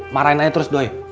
marahin aja terus doi